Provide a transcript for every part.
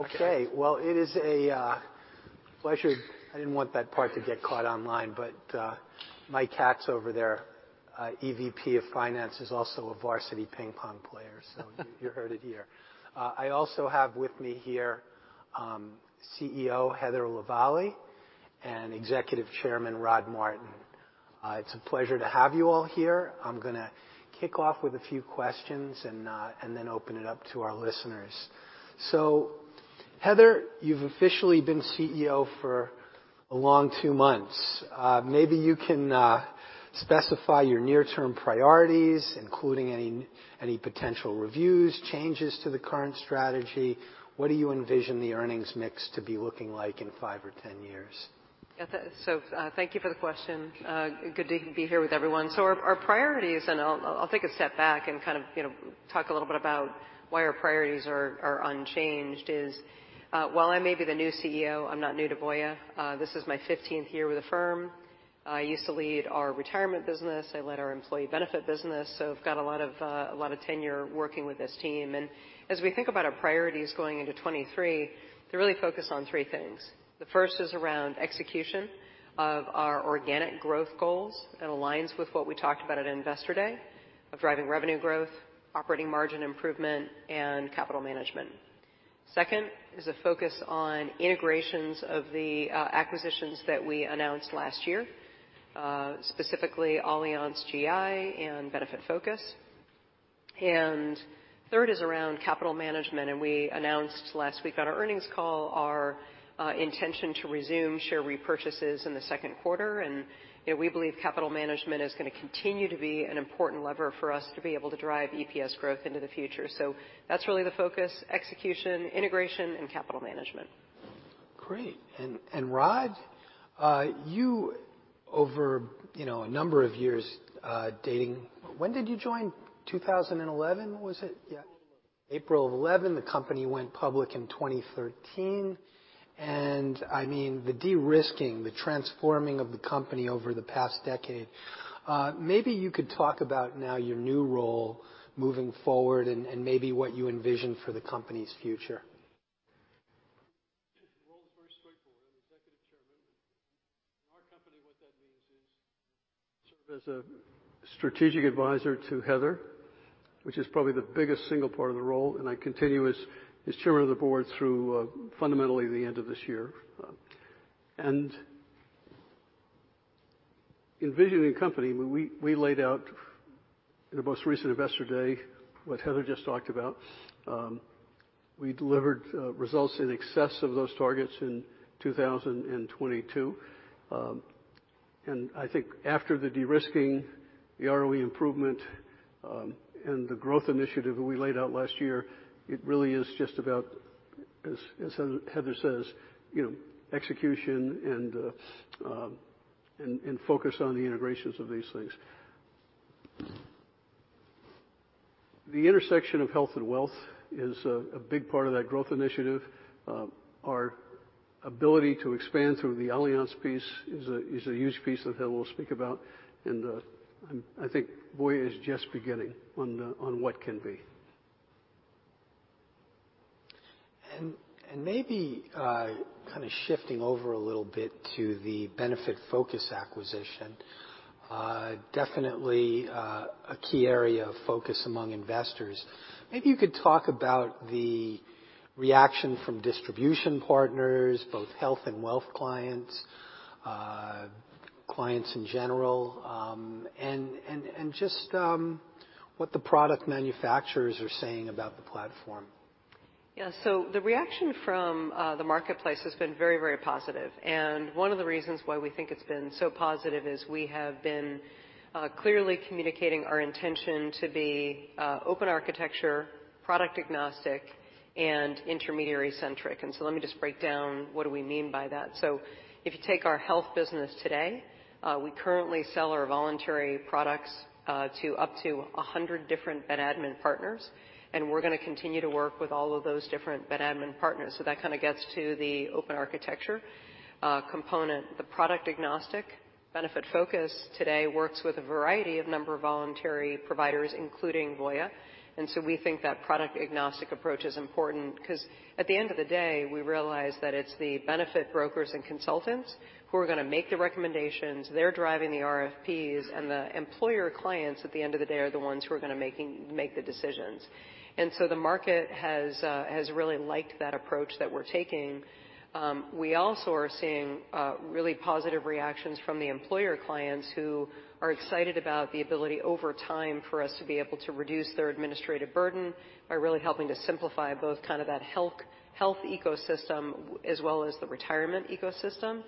Okay. Well, it is a pleasure... I didn't want that part to get caught online, but Mike Katz over there, EVP of Finance, is also a varsity ping-pong player. You heard it here. I also have with me here, CEO Heather Lavallee and Executive Chairman Rod Martin. It's a pleasure to have you all here. I'm gonna kick off with a few questions and then open it up to our listeners. Heather, you've officially been CEO for a long two months. Maybe you can specify your near-term priorities, including any potential reviews, changes to the current strategy. What do you envision the earnings mix to be looking like in five or 10 years? Thank you for the question. Good to be here with everyone. Our priorities, and I'll take a step back and kind of, you know, talk a little bit about why our priorities are unchanged is, while I may be the new CEO, I'm not new to Voya. This is my 15th year with the firm. I used to lead our retirement business. I led our employee benefit business. I've got a lot of tenure working with this team. As we think about our priorities going into 2023, they're really focused on three things. The first is around execution of our organic growth goals. It aligns with what we talked about at Investor Day of driving revenue growth, operating margin improvement, and capital management. Second is a focus on integrations of the acquisitions that we announced last year, specifically Allianz GI and Benefitfocus. Third is around capital management, and we announced last week on our earnings call our intention to resume share repurchases in the second quarter. You know, we believe capital management is gonna continue to be an important lever for us to be able to drive EPS growth into the future. That's really the focus: execution, integration, and capital management. Great. Rod, you over, you know, a number of years, dating... When did you join? 2011 was it? Yeah. April of 2011. The company went public in 2013. I mean, the de-risking, the transforming of the company over the past decade, maybe you could talk about now your new role moving forward and maybe what you envision for the company's future? The role is very straightforward. I'm executive chairman. In our company, what that means is serve as a strategic advisor to Heather, which is probably the biggest single part of the role, and I continue as chairman of the board through fundamentally the end of this year. Envisioning the company, we laid out in our most recent Investor Day what Heather just talked about. We delivered results in excess of those targets in 2022. I think after the de-risking, the ROE improvement, and the growth initiative that we laid out last year, it really is just about, as Heather says, you know, execution and focus on the integrations of these things. The intersection of health and wealth is a big part of that growth initiative. Our ability to expand through the Allianz piece is a huge piece that Heather will speak about. I think Voya is just beginning on what can be. Maybe, kind of shifting over a little bit to the Benefitfocus acquisition, definitely, a key area of focus among investors. Maybe you could talk about the reaction from distribution partners, both health and wealth clients in general, and just what the product manufacturers are saying about the platform. The reaction from the marketplace has been very, very positive. One of the reasons why we think it's been so positive is we have been clearly communicating our intention to be open architecture, product-agnostic, and intermediary-centric. Let me just break down what do we mean by that. If you take our health business today, we currently sell our voluntary products to up to 100 different ben-admin partners, and we're gonna continue to work with all of those different ben-admin partners. That kind of gets to the open architecture component. The product-agnostic, Benefitfocus today works with a variety of number of voluntary providers, including Voya. We think that product agnostic approach is important 'cause at the end of the day, we realize that it's the benefit brokers and consultants who are gonna make the recommendations. They're driving the RFPs. The employer clients at the end of the day are the ones who are gonna make the decisions. The market has really liked that approach that we're taking. We also are seeing really positive reactions from the employer clients who are excited about the ability over time for us to be able to reduce their administrative burden by really helping to simplify both kind of that health ecosystem as well as the retirement ecosystem.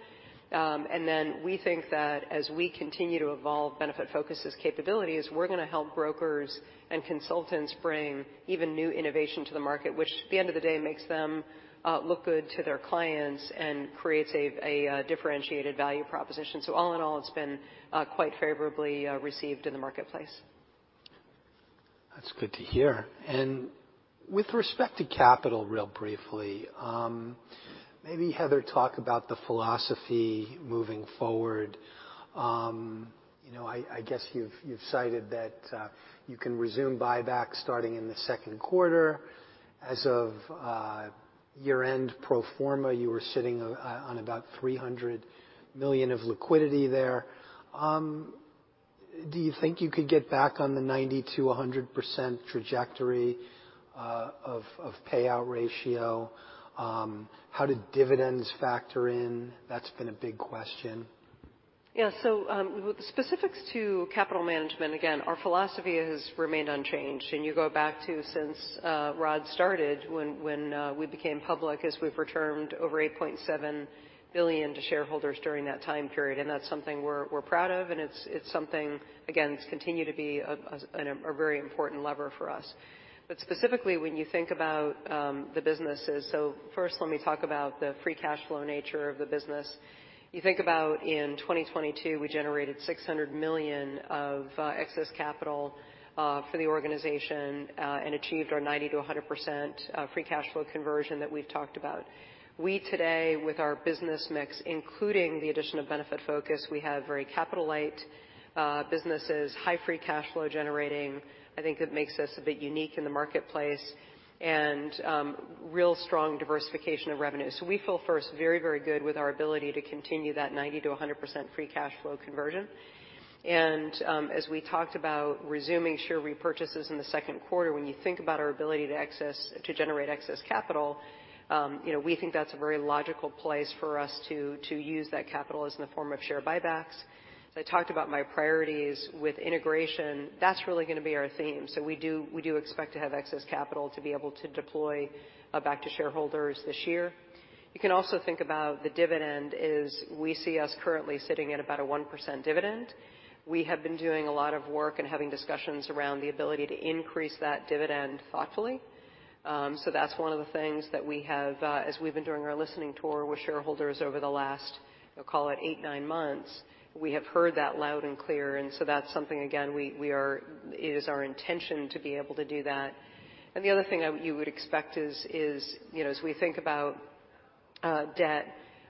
Then we think that as we continue to evolve Benefitfocus's capabilities, we're gonna help brokers and consultants bring even new innovation to the market, which at the end of the day makes them look good to their clients and creates a differentiated value proposition. All in all, it's been quite favorably received in the marketplace. That's good to hear. With respect to capital, real briefly, Maybe Heather talk about the philosophy moving forward. You know, I guess you've cited that you can resume buyback starting in the second quarter. As of year-end pro forma, you were sitting on about $300 million of liquidity there. Do you think you could get back on the 90%-100% trajectory of payout ratio? How do dividends factor in? That's been a big question. Yeah. With the specifics to capital management, again, our philosophy has remained unchanged. You go back to since Rod started when we became public, as we've returned over $8.7 billion to shareholders during that time period. That's something we're proud of, and it's something, again, it's continued to be a very important lever for us. Specifically, when you think about the businesses, first let me talk about the free cash flow nature of the business. You think about in 2022, we generated $600 million of excess capital for the organization and achieved our 90%-100% free cash flow conversion that we've talked about. We today, with our business mix, including the addition of Benefitfocus, we have very capital light businesses, high free cash flow generating. I think it makes us a bit unique in the marketplace. Real strong diversification of revenue. We feel first very good with our ability to continue that 90%-100% free cash flow conversion. As we talked about resuming share repurchases in the second quarter, when you think about our ability to generate excess capital, you know, we think that's a very logical place for us to use that capital as in the form of share buybacks. As I talked about my priorities with integration, that's really going to be our theme. We do expect to have excess capital to be able to deploy back to shareholders this year. You can also think about the dividend is we see us currently sitting at about a 1% dividend. We have been doing a lot of work and having discussions around the ability to increase that dividend thoughtfully. That's one of the things that we have, as we've been doing our listening tour with shareholders over the last, we'll call it 8, 9 months, we have heard that loud and clear. That's something, again, we are it is our intention to be able to do that. The other thing you would expect is, you know, as we think about debt,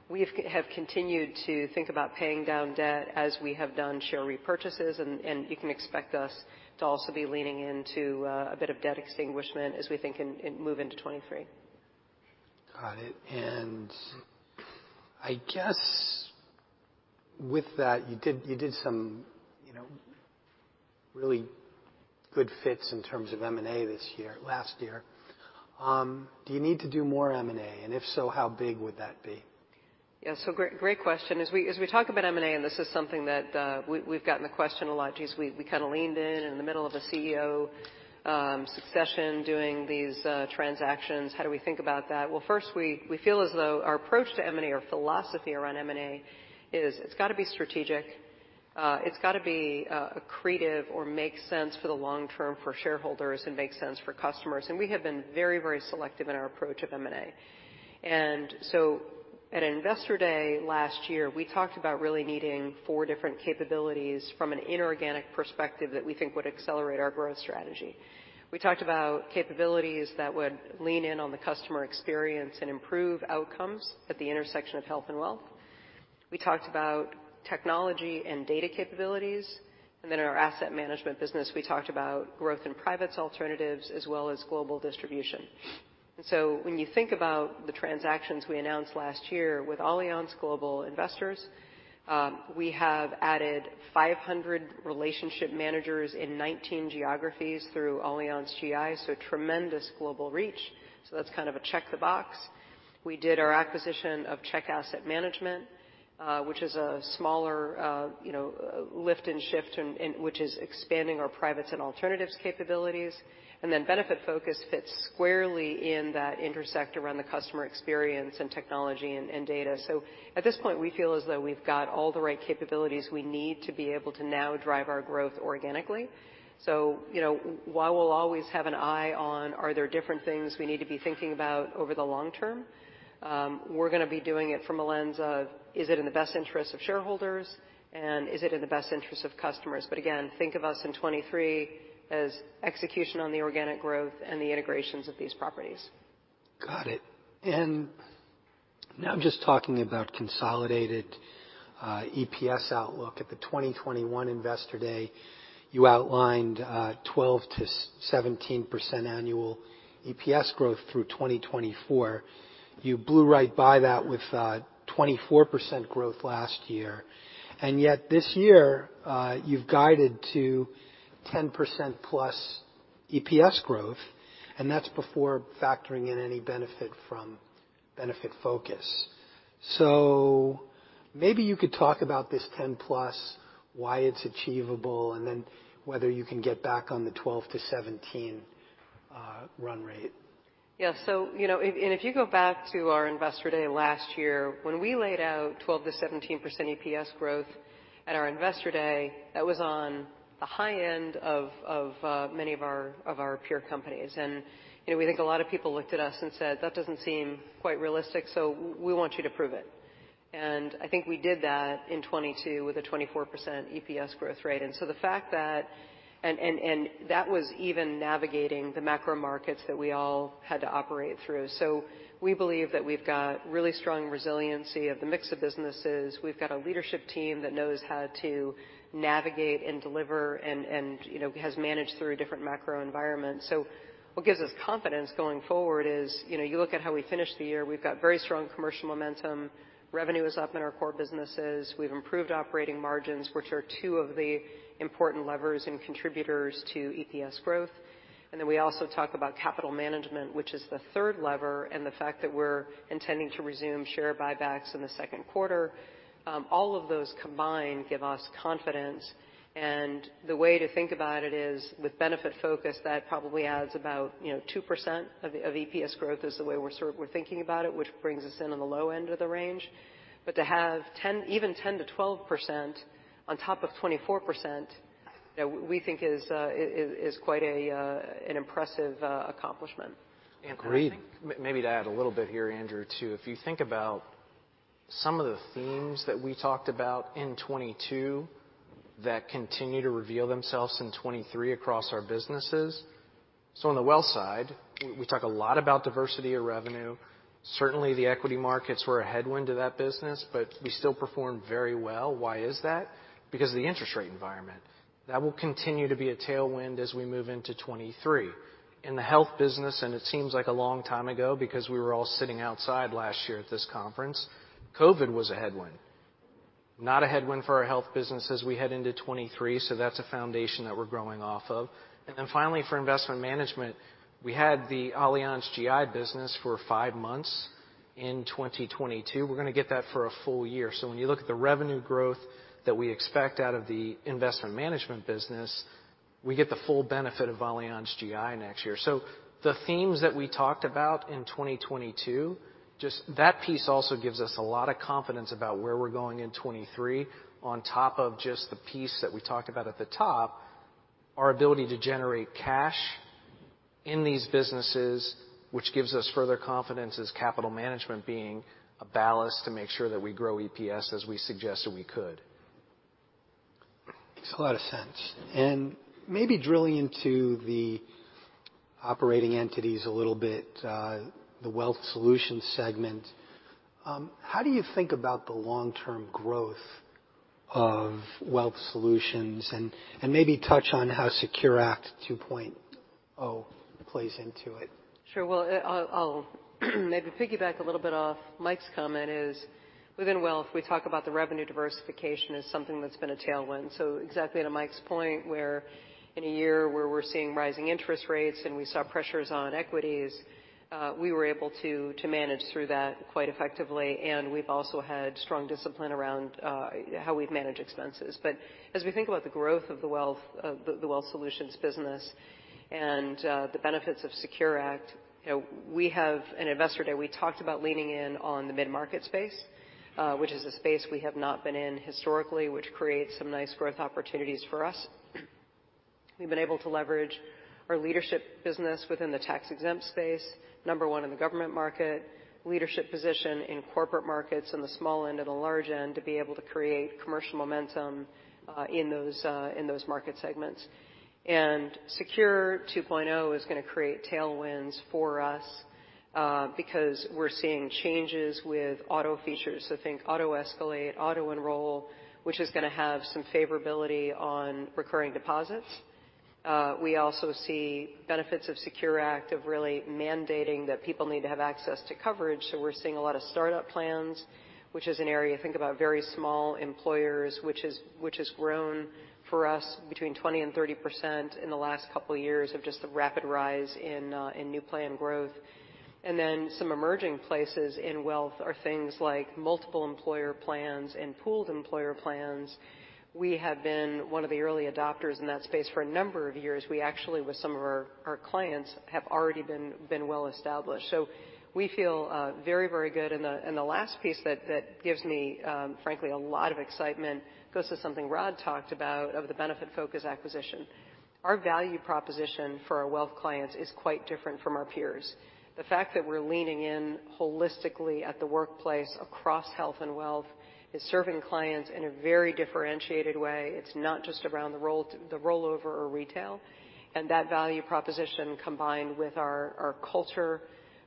we have continued to think about paying down debt as we have done share repurchases, and you can expect us to also be leaning into a bit of debt extinguishment as we think and move into 2023. Got it. I guess with that, you did some, you know, really good fits in terms of M&A last year. Do you need to do more M&A? If so, how big would that be? Yeah. Great question. As we talk about M&A, and this is something that we've gotten the question a lot, geez, we kind of leaned in in the middle of a CEO succession doing these transactions. How do we think about that? Well, first, we feel as though our approach to M&A or philosophy around M&A is it's got to be strategic. It's got to be accretive or make sense for the long term for shareholders and make sense for customers. We have been very selective in our approach of M&A. At Investor Day last year, we talked about really needing four different capabilities from an inorganic perspective that we think would accelerate our growth strategy. We talked about capabilities that would lean in on the customer experience and improve outcomes at the intersection of health and wealth. We talked about technology and data capabilities. In our asset management business, we talked about growth in privates alternatives as well as global distribution. When you think about the transactions we announced last year with Allianz Global Investors, we have added 500 relationship managers in 19 geographies through Allianz GI, so tremendous global reach. That's kind of a check the box. We did our acquisition of Tygh Capital Management, which is a smaller, you know, lift and shift in which is expanding our privates and alternatives capabilities. Benefitfocus fits squarely in that intersect around the customer experience and technology and data. At this point, we feel as though we've got all the right capabilities we need to be able to now drive our growth organically. You know, while we'll always have an eye on are there different things we need to be thinking about over the long term, we're gonna be doing it from a lens of, is it in the best interest of shareholders, and is it in the best interest of customers? Again, think of us in 23 as execution on the organic growth and the integrations of these properties. Got it. Now I'm just talking about consolidated EPS outlook. At the 2021 Investor Day, you outlined 12%-17% annual EPS growth through 2024. You blew right by that with 24% growth last year. Yet this year, you've guided to 10%+ EPS growth, and that's before factoring in any benefit from Benefitfocus. Maybe you could talk about this 10+, why it's achievable, and then whether you can get back on the 12-17 run rate. You know, and if you go back to our Investor Day last year, when we laid out 12%-17% EPS growth at our Investor Day, that was on the high end of many of our peer companies. You know, we think a lot of people looked at us and said, "That doesn't seem quite realistic, so we want you to prove it." I think we did that in 2022 with a 24% EPS growth rate. The fact that... That was even navigating the macro markets that we all had to operate through. We believe that we've got really strong resiliency of the mix of businesses. We've got a leadership team that knows how to navigate and deliver and, you know, has managed through different macro environments. What gives us confidence going forward is, you know, you look at how we finished the year, we've got very strong commercial momentum. Revenue is up in our core businesses. We've improved operating margins, which are two of the important levers and contributors to EPS growth. We also talk about capital management, which is the third lever, and the fact that we're intending to resume share buybacks in the second quarter. All of those combined give us confidence. The way to think about it is with Benefitfocus, that probably adds about, you know, 2% of EPS growth is the way we're thinking about it, which brings us in on the low end of the range. To have 10 even 10%-12% on top of 24%, we think is quite an impressive accomplishment. Agreed. I think maybe to add a little bit here, Andrew, too. If you think about some of the themes that we talked about in 2022 that continue to reveal themselves in 2023 across our businesses. On the wealth side, we talk a lot about diversity of revenue. Certainly, the equity markets were a headwind to that business, but we still performed very well. Why is that? Because of the interest rate environment. That will continue to be a tailwind as we move into 2023. In the health business, it seems like a long time ago because we were all sitting outside last year at this conference, COVID was a headwind. Not a headwind for our health business as we head into 2023, so that's a foundation that we're growing off of. Finally, for investment management, we had the Allianz GI business for five months in 2022. We're gonna get that for a full year. When you look at the revenue growth that we expect out of the investment management business, we get the full benefit of Allianz GI next year. The themes that we talked about in 2022, just that piece also gives us a lot of confidence about where we're going in 2023, on top of just the piece that we talked about at the top, our ability to generate cash in these businesses, which gives us further confidence as capital management being a ballast to make sure that we grow EPS as we suggested we could. Makes a lot of sense. Maybe drilling into the operating entities a little bit, the Wealth Solutions segment, how do you think about the long-term growth of Wealth Solutions? And maybe touch on how SECURE 2.0 Act plays into it. Sure. Well, I'll, maybe piggyback a little bit off Mike's comment is, within Wealth, we talk about the revenue diversification as something that's been a tailwind. Exactly to Mike's point, where in a year where we're seeing rising interest rates and we saw pressures on equities, we were able to manage through that quite effectively. We've also had strong discipline around how we've managed expenses. As we think about the growth of the Wealth, of the Wealth Solutions business and the benefits of SECURE Act, you know, in Investor Day, we talked about leaning in on the mid-market space, which is a space we have not been in historically, which creates some nice growth opportunities for us. We've been able to leverage our leadership business within the tax-exempt space, number one in the government market, leadership position in corporate markets, in the small end and the large end, to be able to create commercial momentum in those market segments. Secure 2.0 is gonna create tailwinds for us because we're seeing changes with auto features. Think auto-escalate, auto-enroll, which is gonna have some favorability on recurring deposits. We also see benefits of SECURE Act of really mandating that people need to have access to coverage, so we're seeing a lot of startup plans, which is an area, think about very small employers, which has grown for us between 20% and 30% in the last couple years of just the rapid rise in new plan growth. Some emerging places in Wealth are things like multiple employer plans and pooled employer plans. We have been one of the early adopters in that space for a number of years. We actually, with some of our clients, have already been well-established. We feel very, very good. The last piece that gives me, frankly, a lot of excitement goes to something Rod talked about of the Benefitfocus acquisition. Our value proposition for our Wealth clients is quite different from our peers. The fact that we're leaning in holistically at the workplace across Health and Wealth is serving clients in a very differentiated way. It's not just around the rollover or retail. That value proposition, combined with our culture,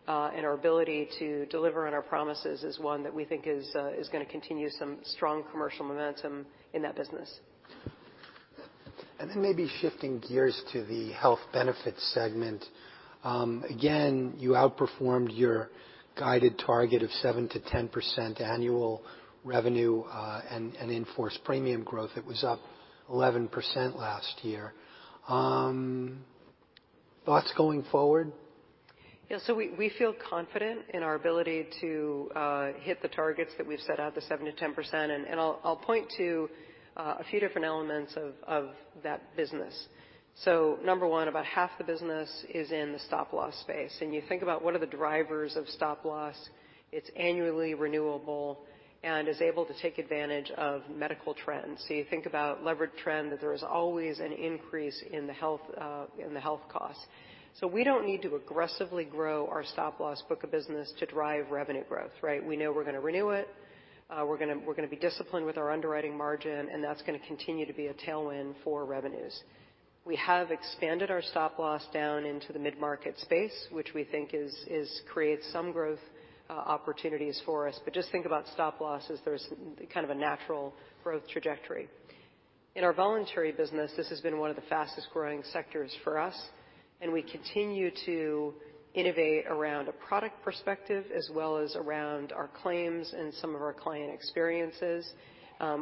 and our ability to deliver on our promises, is one that we think is gonna continue some strong commercial momentum in that business. Maybe shifting gears to the health benefits segment. Again, you outperformed your guided target of 7%-10% annual revenue and in-force premium growth. It was up 11% last year. Thoughts going forward? We feel confident in our ability to hit the targets that we've set out, the 7%-10%. I'll point to a few different elements of that business. Number one, about half the business is in the stop-loss space. You think about what are the drivers of stop-loss, it's annually renewable and is able to take advantage of medical trends. You think about levered trend, that there is always an increase in the health costs. We don't need to aggressively grow our stop-loss book of business to drive revenue growth, right? We know we're gonna renew it. We're gonna be disciplined with our underwriting margin, that's gonna continue to be a tailwind for revenues. We have expanded our stop-loss down into the mid-market space, which we think is creates some growth opportunities for us. Just think about stop-loss as there's kind of a natural growth trajectory. In our voluntary business, this has been one of the fastest growing sectors for us, and we continue to innovate around a product perspective as well as around our claims and some of our client experiences.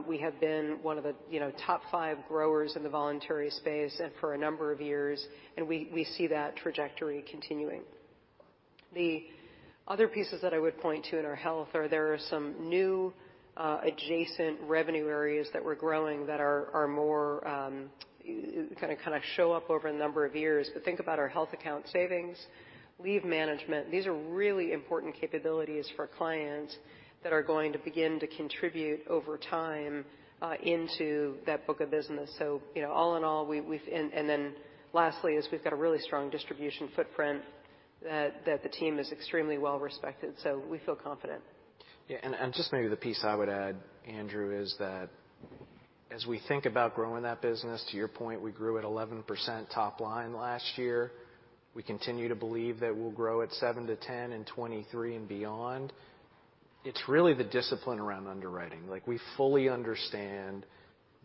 We have been one of the, you know, top five growers in the voluntary space and for a number of years, and we see that trajectory continuing. The other pieces that I would point to in our health are there are some new adjacent revenue areas that we're growing that are more kinda show up over a number of years. Think about our Health Account Solutions, leave management. These are really important capabilities for clients that are going to begin to contribute over time into that book of business. You know, all in all, then lastly is we've got a really strong distribution footprint that the team is extremely well-respected, so we feel confident. Just maybe the piece I would add, Andrew, is that as we think about growing that business, to your point, we grew at 11% top line last year. We continue to believe that we'll grow at 7%-10% in 2023 and beyond. It's really the discipline around underwriting. Like, we fully understand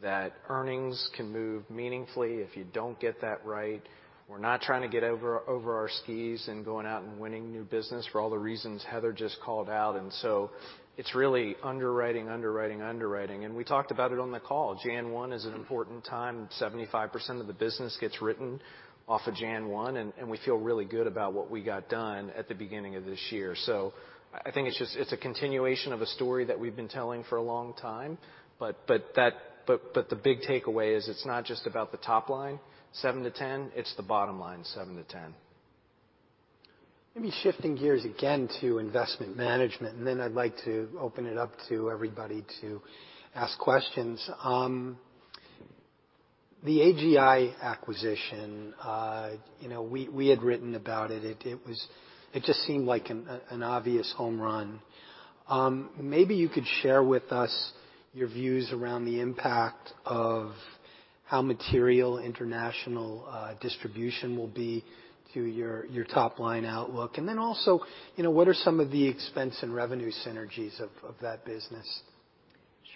that earnings can move meaningfully if you don't get that right. We're not trying to get over our skis and going out and winning new business for all the reasons Heather just called out. It's really underwriting, underwriting. We talked about it on the call. Jan. 1 is an important time. 75% of the business gets written off of Jan. 1, and we feel really good about what we got done at the beginning of this year. I think it's just, it's a continuation of a story that we've been telling for a long time, but the big takeaway is it's not just about the top line, 7-10. It's the bottom line, 7-10. Maybe shifting gears again to investment management, then I'd like to open it up to everybody to ask questions. The AGI acquisition, you know, we had written about it. It just seemed like an obvious home run. Maybe you could share with us your views around the impact of how material international distribution will be to your top line outlook. Then also, you know, what are some of the expense and revenue synergies of that business?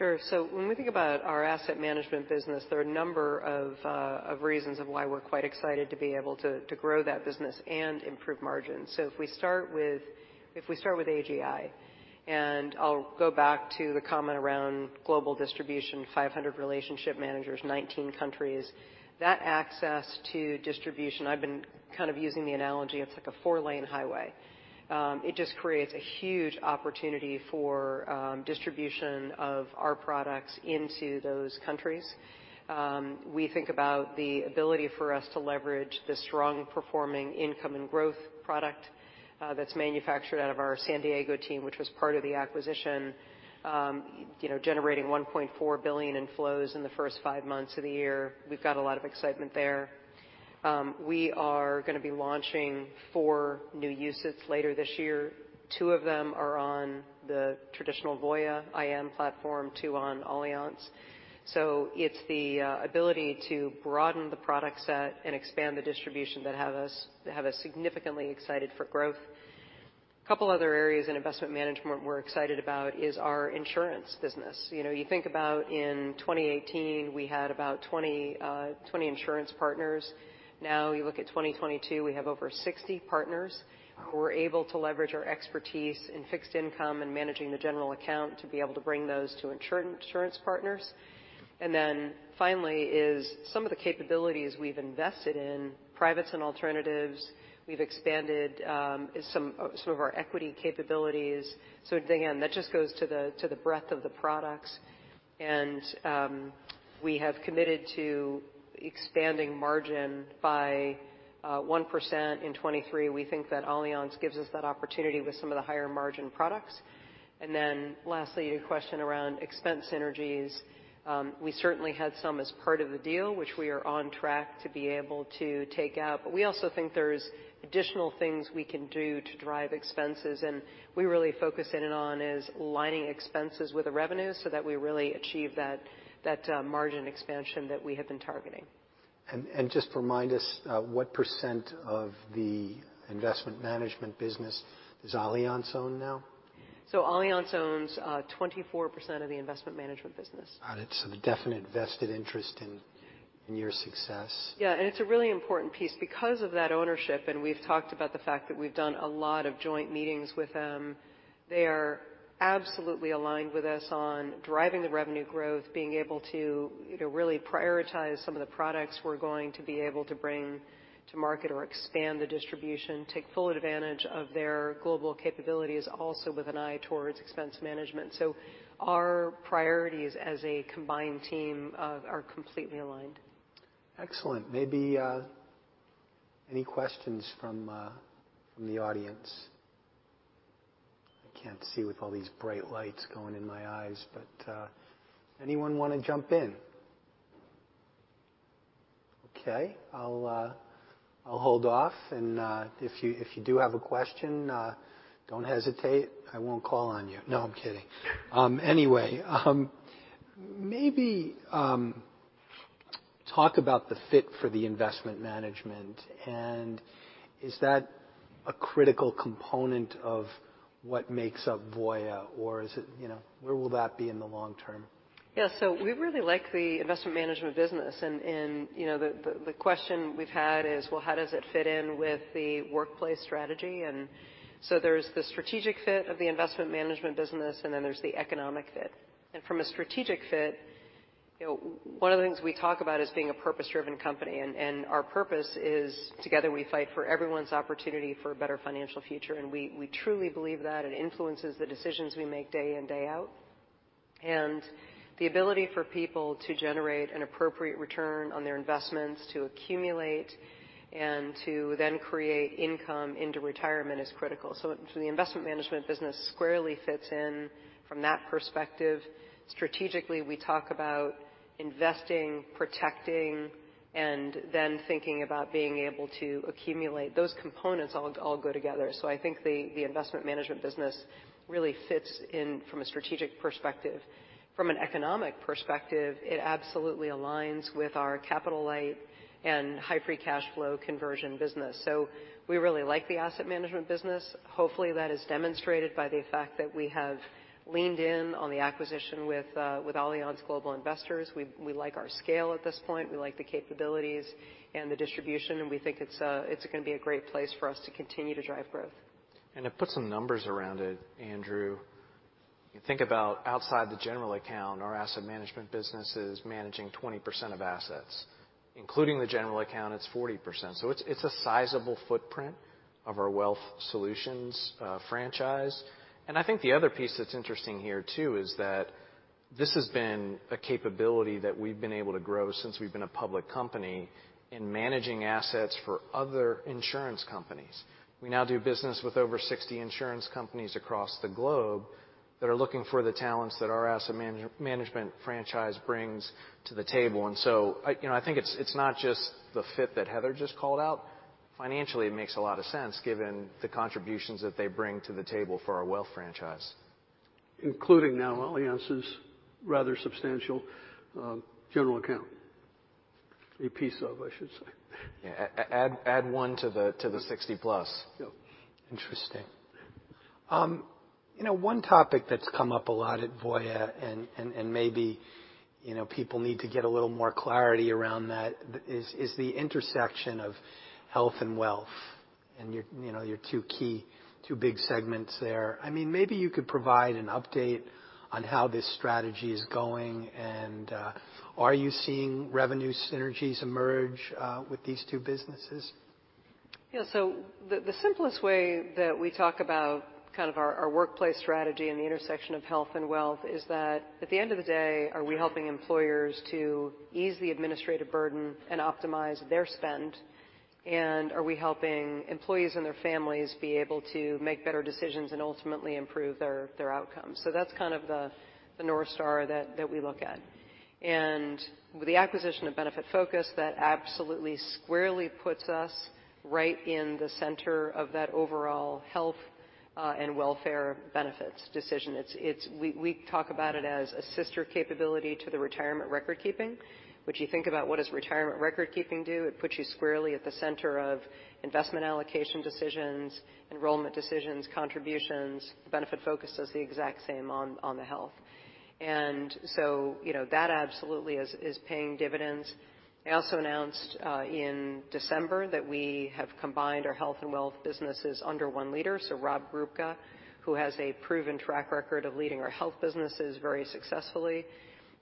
Sure. When we think about our asset management business, there are a number of reasons of why we're quite excited to be able to grow that business and improve margins. If we start with AGI, and I'll go back to the comment around global distribution, 500 relationship managers, 19 countries. That access to distribution, I've been kind of using the analogy of like a 4-lane highway. It just creates a huge opportunity for distribution of our products into those countries. We think about the ability for us to leverage the strong performing income and growth product that's manufactured out of our San Diego team, which was part of the acquisition, you know, generating $1.4 billion in flows in the first 5 months of the year. We've got a lot of excitement there. We are gonna be launching four new UCITS later this year. Two of them are on the traditional Voya IM platform, two on Allianz. It's the ability to broaden the product set and expand the distribution that have us significantly excited for growth. A couple other areas in investment management we're excited about is our insurance business. You know, you think about in 2018, we had about 20 insurance partners. Now you look at 2022, we have over 60 partners who are able to leverage our expertise in fixed income and managing the general account to be able to bring those to insurance partners. Finally is some of the capabilities we've invested in privates and alternatives. We've expanded some, sort of our equity capabilities. Again, that just goes to the breadth of the products. We have committed to expanding margin by 1% in 23. We think that Allianz gives us that opportunity with some of the higher margin products. Lastly, your question around expense synergies. We certainly had some as part of the deal, which we are on track to be able to take out. We also think there's additional things we can do to drive expenses, and we really focus in and on is aligning expenses with the revenue so that we really achieve that margin expansion that we have been targeting. Just remind us, what % of the investment management business does Allianz own now? Allianz owns, 24% of the investment management business. Got it. A definite vested interest in your success. Yeah. It's a really important piece. Because of that ownership, and we've talked about the fact that we've done a lot of joint meetings with them, they are absolutely aligned with us on driving the revenue growth, being able to, you know, really prioritize some of the products we're going to be able to bring to market or expand the distribution, take full advantage of their global capabilities, also with an eye towards expense management. Our priorities as a combined team are completely aligned. Excellent. Maybe any questions from the audience? I can't see with all these bright lights going in my eyes. Anyone wanna jump in? Okay, I'll hold off. If you, if you do have a question, don't hesitate, I won't call on you. No, I'm kidding. Anyway, maybe talk about the fit for the investment management. Is that a critical component of what makes up Voya? Or is it, you know, where will that be in the long term? We really like the Investment Management business. You know, the question we've had is, well, how does it fit in with the workplace strategy? There's the strategic fit of the Investment Management business, and then there's the economic fit. From a strategic fit, you know, one of the things we talk about is being a purpose-driven company, and our purpose is together we fight for everyone's opportunity for a better financial future. We truly believe that it influences the decisions we make day in, day out. The ability for people to generate an appropriate return on their investments to accumulate and to then create income into retirement is critical. The Investment Management business squarely fits in from that perspective. Strategically, we talk about investing, protecting, and then thinking about being able to accumulate. Those components all go together. I think the investment management business really fits in from a strategic perspective. From an economic perspective, it absolutely aligns with our capital-light and high free cash flow conversion business. We really like the asset management business. Hopefully, that is demonstrated by the fact that we have leaned in on the acquisition with Allianz Global Investors. We like our scale at this point. We like the capabilities and the distribution, and we think it's gonna be a great place for us to continue to drive growth. To put some numbers around it, Andrew, you think about outside the general account, our asset management business is managing 20% of assets. Including the general account, it's 40%. It's a sizable footprint of our Wealth Solutions franchise. I think the other piece that's interesting here too is that this has been a capability that we've been able to grow since we've been a public company in managing assets for other insurance companies. We now do business with over 60 insurance companies across the globe that are looking for the talents that our asset management franchise brings to the table. I, you know, I think it's not just the fit that Heather just called out. Financially, it makes a lot of sense given the contributions that they bring to the table for our wealth franchise. Including now Allianz's rather substantial, general account. A piece of, I should say. Yeah. add 1 to the 60+. Yeah. Interesting. You know, one topic that's come up a lot at Voya and maybe, you know, people need to get a little more clarity around that is the intersection of health and wealth and your, you know, your two key, two big segments there. I mean, maybe you could provide an update on how this strategy is going, and are you seeing revenue synergies emerge with these two businesses? The simplest way that we talk about our workplace strategy and the intersection of health and wealth is that at the end of the day, are we helping employers to ease the administrative burden and optimize their spend? Are we helping employees and their families be able to make better decisions and ultimately improve their outcomes? That's kind of the North Star that we look at. With the acquisition of Benefitfocus, that absolutely squarely puts us right in the center of that overall health and welfare benefits decision. We talk about it as a sister capability to the retirement recordkeeping, which you think about what does retirement recordkeeping do? It puts you squarely at the center of investment allocation decisions, enrollment decisions, contributions. Benefitfocus does the exact same on the health. You know, that absolutely is paying dividends. I also announced in December that we have combined our health and wealth businesses under one leader, so Rob Grubka, who has a proven track record of leading our health businesses very successfully.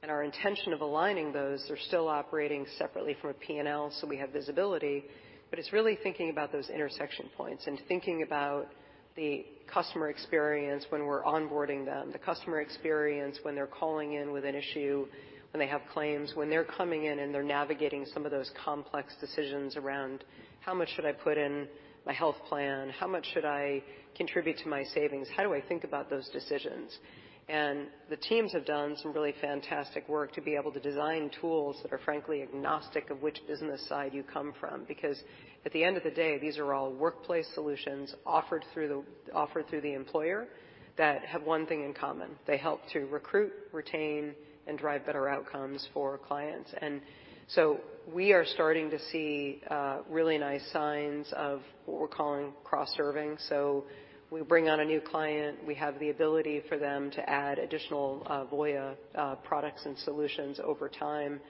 Our intention of aligning those, they're still operating separately from a P&L, so we have visibility. It's really thinking about those intersection points and thinking about the customer experience when we're onboarding them, the customer experience when they're calling in with an issue, when they have claims, when they're coming in and they're navigating some of those complex decisions around how much should I put in my health plan? How much should I contribute to my savings? How do I think about those decisions? The teams have done some really fantastic work to be able to design tools that are frankly agnostic of which business side you come from. At the end of the day, these are all workplace solutions offered through the employer that have one thing in common. They help to recruit, retain, and drive better outcomes for clients. We are starting to see really nice signs of what we're calling cross-serving. We bring on a new client, we have the ability for them to add additional Voya products and solutions over time.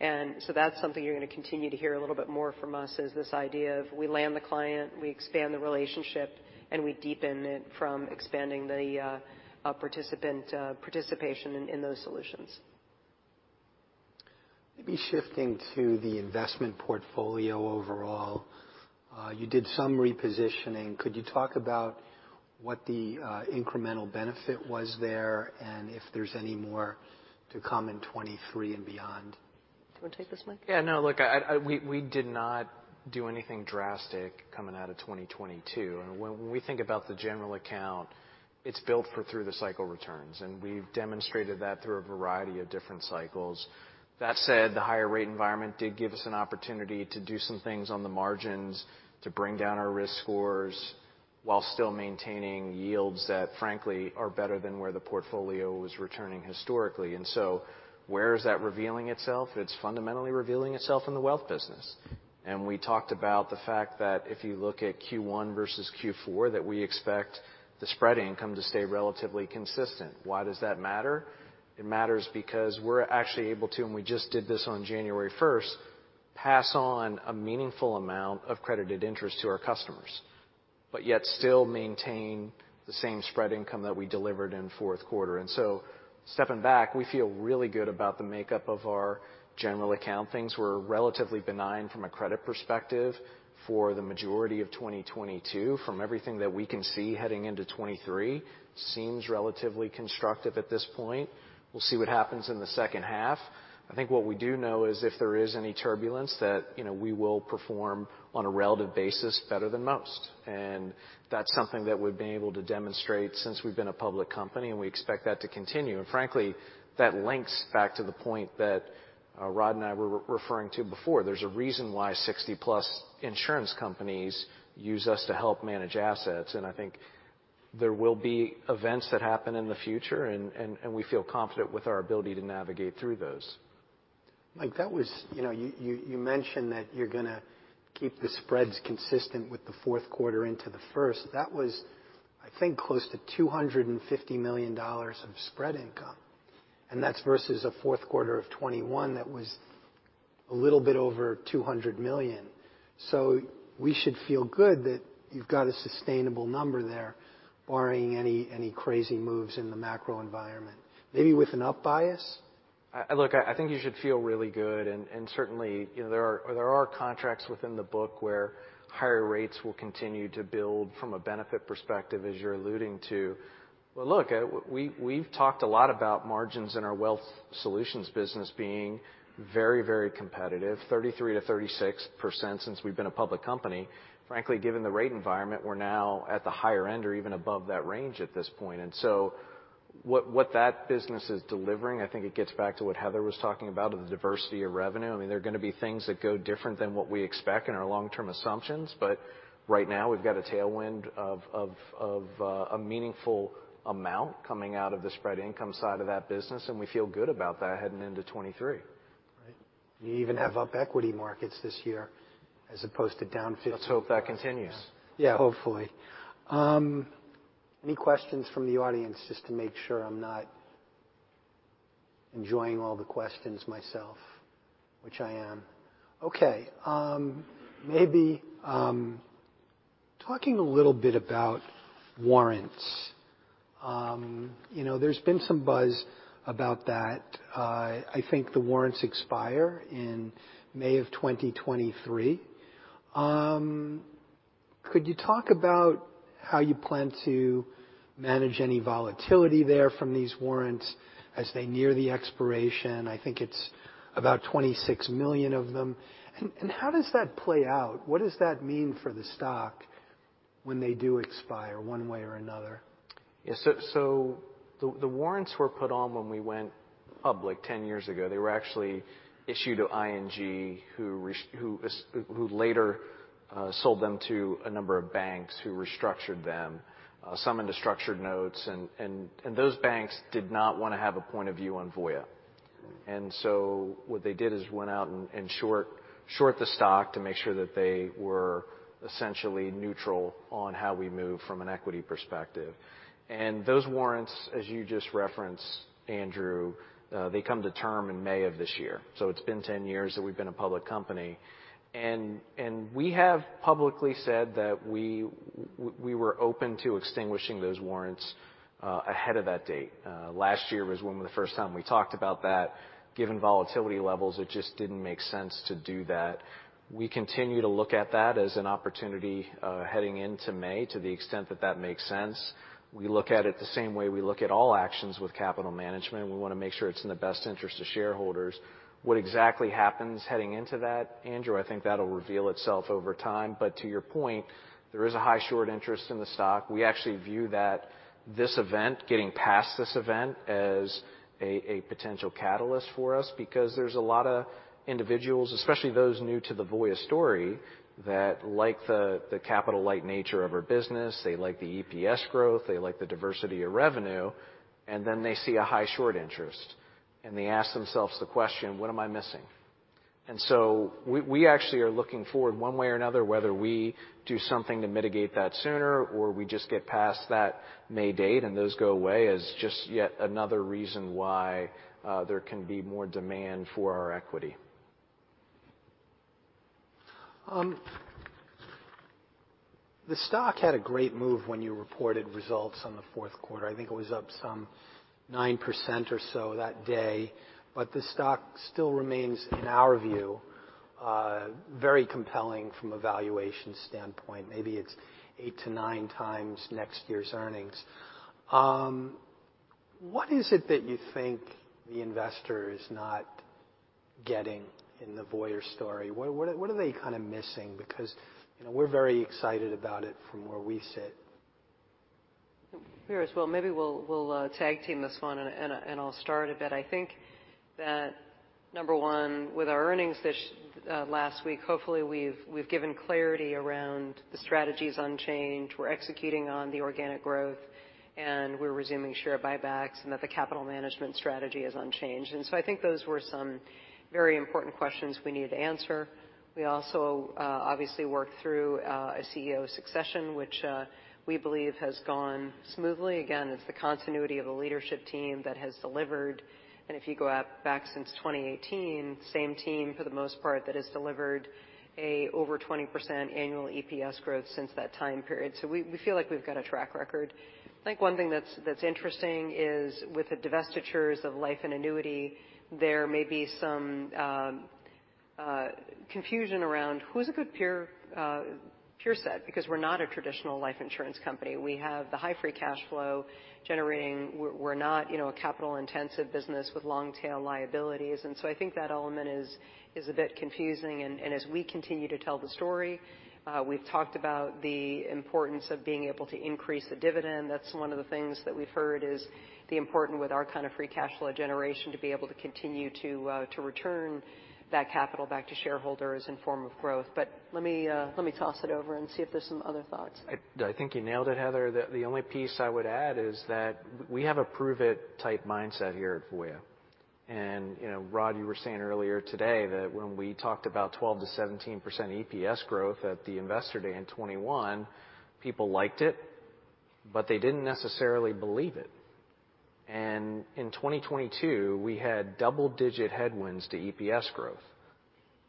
That's something you're gonna continue to hear a little bit more from us, is this idea of we land the client, we expand the relationship, and we deepen it from expanding the participant participation in those solutions. Maybe shifting to the investment portfolio overall. You did some repositioning. Could you talk about what the incremental benefit was there and if there's any more to come in 2023 and beyond? Do you wanna take this, Mike? Yeah. No, look, we did not do anything drastic coming out of 2022. When we think about the general account, it's built for through the cycle returns, and we've demonstrated that through a variety of different cycles. That said, the higher rate environment did give us an opportunity to do some things on the margins to bring down our risk scores while still maintaining yields that frankly are better than where the portfolio was returning historically. Where is that revealing itself? It's fundamentally revealing itself in the wealth business. We talked about the fact that if you look at Q1 versus Q4, that we expect the spread income to stay relatively consistent. Why does that matter? It matters because we're actually able to, and we just did this on January first, pass on a meaningful amount of credited interest to our customers, but yet still maintain the same spread income that we delivered in fourth quarter. Stepping back, we feel really good about the makeup of our general account. Things were relatively benign from a credit perspective for the majority of 2022. From everything that we can see heading into 2023, seems relatively constructive at this point. We'll see what happens in the second half. I think what we do know is if there is any turbulence that, you know, we will perform on a relative basis better than most. That's something that we've been able to demonstrate since we've been a public company, and we expect that to continue. Frankly, that links back to the point that Rod and I were referring to before. There's a reason why 60+ insurance companies use us to help manage assets, and I think there will be events that happen in the future, and we feel confident with our ability to navigate through those. Mike, that was. You know, you mentioned that you're gonna keep the spreads consistent with the fourth quarter into the first. That was, I think, close to $250 million of spread income, and that's versus a fourth quarter of 2021 that was a little bit over $200 million. We should feel good that you've got a sustainable number there, barring any crazy moves in the macro environment, maybe with an up bias. Look, I think you should feel really good, and certainly, you know, there are contracts within the book where higher rates will continue to build from a benefit perspective, as you're alluding to. Look, we've talked a lot about margins in our Wealth Solutions business being very, very competitive, 33%-36% since we've been a public company. Frankly, given the rate environment, we're now at the higher end or even above that range at this point. What that business is delivering, I think it gets back to what Heather was talking about of the diversity of revenue. I mean, there are gonna be things that go different than what we expect in our long-term assumptions, but right now, we've got a tailwind of a meaningful amount coming out of the spread income side of that business, and we feel good about that heading into 23. Right. We even have up equity markets this year as opposed to down 15%. Let's hope that continues. Yeah, hopefully. Any questions from the audience, just to make sure I'm not enjoying all the questions myself, which I am. Okay. Maybe, talking a little bit about warrants. You know, there's been some buzz about that. I think the warrants expire in May of 2023. Could you talk about how you plan to manage any volatility there from these warrants as they near the expiration? I think it's about 26 million of them. How does that play out? What does that mean for the stock when they do expire one way or another? Yeah. The warrants were put on when we went public 10 years ago. They were actually issued to ING, who later sold them to a number of banks who restructured them, some into structured notes. Those banks did not wanna have a point of view on Voya. What they did is went out and short the stock to make sure that they were essentially neutral on how we move from an equity perspective. Those warrants, as you just referenced, Andrew, they come to term in May of this year. So it's been 10 years that we've been a public company. We have publicly said that we were open to extinguishing those warrants ahead of that date. Last year was one of the first time we talked about that. Given volatility levels, it just didn't make sense to do that. We continue to look at that as an opportunity, heading into May, to the extent that that makes sense. We look at it the same way we look at all actions with capital management. We wanna make sure it's in the best interest of shareholders. What exactly happens heading into that? Andrew, I think that'll reveal itself over time. To your point, there is a high short interest in the stock. We actually view that this event, getting past this event, as a potential catalyst for us because there's a lot of individuals, especially those new to the Voya story, that like the capital-light nature of our business, they like the EPS growth, they like the diversity of revenue. They see a high short interest, and they ask themselves the question, "What am I missing?" We actually are looking forward one way or another, whether we do something to mitigate that sooner or we just get past that May date and those go away, as just yet another reason why there can be more demand for our equity. The stock had a great move when you reported results on the fourth quarter. I think it was up some 9% or so that day. The stock still remains, in our view, very compelling from a valuation standpoint. Maybe it's 8-9 times next year's earnings. What is it that you think the investor is not getting in the Voya story? What are they kinda missing? You know, we're very excited about it from where we sit. Hey, well, maybe we'll tag team this one and I'll start it. I think that number one, with our earnings this last week, hopefully we've given clarity around the strategies unchanged. We're executing on the organic growth, and we're resuming share buybacks, and that the capital management strategy is unchanged. I think those were some very important questions we needed to answer. We also obviously worked through a CEO succession, which we believe has gone smoothly. Again, it's the continuity of the leadership team that has delivered. If you go out back since 2018, same team for the most part, that has delivered a over 20% annual EPS growth since that time period. We feel like we've got a track record. I think one thing that's interesting is with the divestitures of life and annuity, there may be some confusion around who's a good peer set, because we're not a traditional life insurance company. We have the high free cash flow generating. We're not, you know, a capital-intensive business with long tail liabilities. I think that element is a bit confusing. As we continue to tell the story, we've talked about the importance of being able to increase the dividend. That's one of the things that we've heard is the important with our kind of free cash flow generation to be able to continue to return that capital back to shareholders in form of growth. Let me let me toss it over and see if there's some other thoughts. I think you nailed it, Heather. The only piece I would add is that we have a prove it type mindset here at Voya. You know, Rod, you were saying earlier today that when we talked about 12%-17% EPS growth at the Investor Day in 2021, people liked it, but they didn't necessarily believe it. In 2022, we had double-digit headwinds to EPS growth,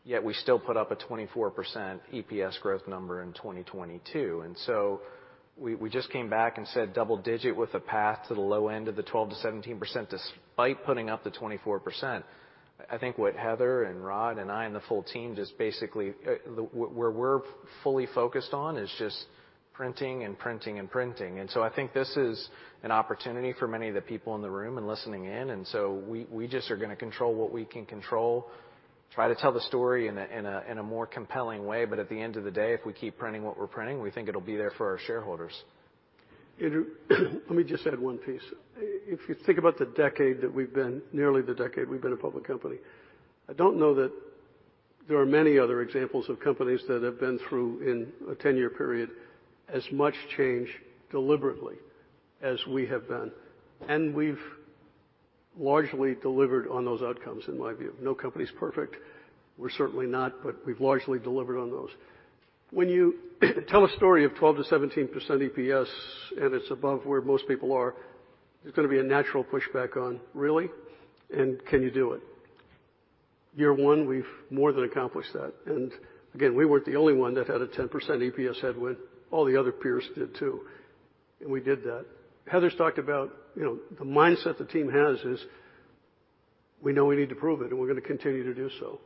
yet we still put up a 24% EPS growth number in 2022. We just came back and said double-digit with a path to the low end of the 12%-17% despite putting up the 24%. I think what Heather and Rod and I and the full team just basically, where we're fully focused on is just printing and printing and printing. I think this is an opportunity for many of the people in the room and listening in, we just are gonna control what we can control, try to tell the story in a more compelling way. At the end of the day, if we keep printing what we're printing, we think it'll be there for our shareholders. Andrew, let me just add one piece. If you think about the decade that we've been, nearly the decade we've been a public company, I don't know that there are many other examples of companies that have been through in a 10-year period as much change deliberately as we have been. We've largely delivered on those outcomes, in my view. No company's perfect. We're certainly not, but we've largely delivered on those. When you tell a story of 12%-17% EPS and it's above where most people are, there's gonna be a natural pushback on, really? Can you do it? Year one, we've more than accomplished that. Again, we weren't the only one that had a 10% EPS headwind. All the other peers did too. We did that. Heather's talked about, you know, the mindset the team has is we know we need to prove it, and we're gonna continue to do so.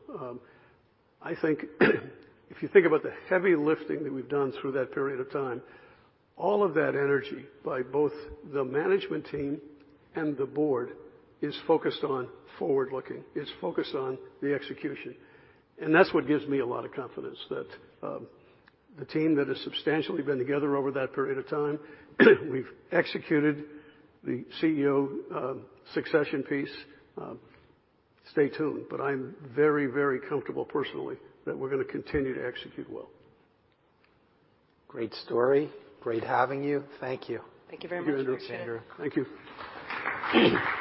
I think if you think about the heavy lifting that we've done through that period of time, all of that energy by both the management team and the board is focused on forward-looking, it's focused on the execution. That's what gives me a lot of confidence that, the team that has substantially been together over that period of time, we've executed the CEO, succession piece. Stay tuned. I'm very, very comfortable personally that we're gonna continue to execute well. Great story. Great having you. Thank you. Thank you very much. Thank you, Andrew. Thank you.